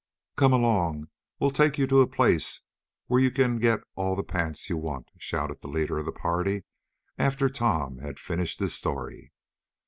"Come along. We'll take you to a place where you can get all the pants you want," shouted the leader of the party, after Tom had finished his story.